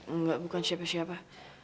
enggak bukan siapa siapa